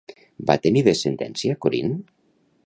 Va tenir descendència Corint?